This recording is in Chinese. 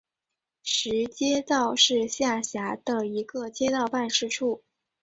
石街道是下辖的一个街道办事处。